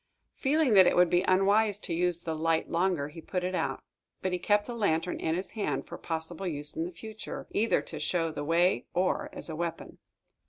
Feeling that it would be unwise to use the light longer, he put it out. But he kept the lantern in his hand, for possible use in the future, either to show the way or as a weapon.